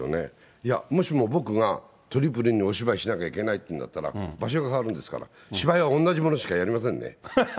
いや、もしも僕がトリプルにお芝居しなきゃいけないってなったら、場所が変わるんですから、芝居は同じものしかやりませんね。